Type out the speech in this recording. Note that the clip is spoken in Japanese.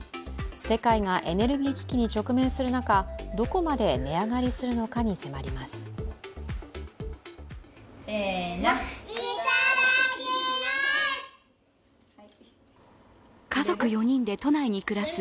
世界がエネルギー危機に直面する中、どこまで値上がりするのかに迫ります。